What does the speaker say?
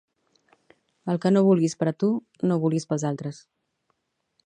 El que no vulguis per a tu no ho vulguis per als altres